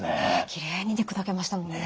きれいに砕けましたもんね。